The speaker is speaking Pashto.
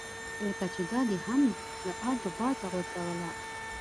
لکه چې دا دې هم له ادو باده غورځوله.